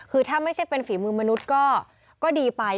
คือถ้าไม่ใช่เป็นฝีมือมนุษย์ก็ดีไป